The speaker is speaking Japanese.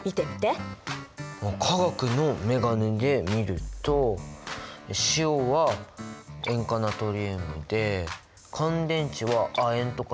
化学のメガネで見ると塩は塩化ナトリウムで乾電池は亜鉛とかでしょ。